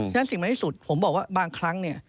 ฉะนั้นสิ่งมันที่สุดผมบอกว่าบางครั้ง